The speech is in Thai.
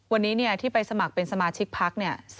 วันนี้ที่ไปสมัครเป็นสมาชิกพักเนี่ย